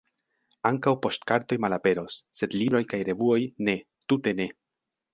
Ankaŭ poŝtkartoj malaperos, sed libroj kaj revuoj, ne, tute ne!